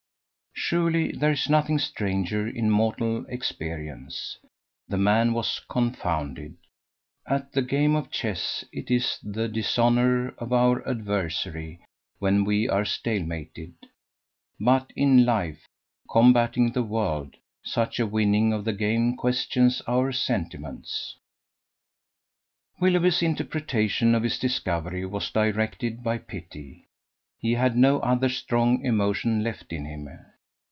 Surely there is nothing stranger in mortal experience. The man was confounded. At the game of Chess it is the dishonour of our adversary when we are stale mated: but in life, combatting the world, such a winning of the game questions our sentiments. Willoughby's interpretation of his discovery was directed by pity: he had no other strong emotion left in him.